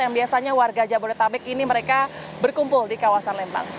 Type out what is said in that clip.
yang biasanya warga jabodetabek ini mereka berkumpul di kawasan lembang